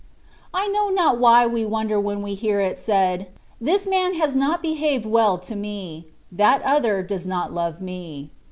I know not why we wonder when we hear it said, " This man has not behaved well to me; that other does not love me.''